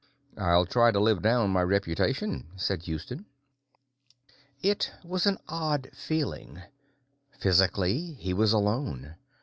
"I'll try to live down my reputation," said Houston. It was an odd feeling. Physically, he was alone.